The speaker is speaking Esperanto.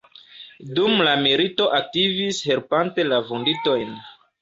Dum la milito aktivis helpante la vunditojn.